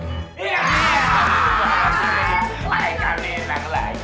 haikal kabur lagi